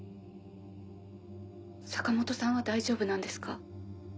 坂本さんは大丈夫なんですか？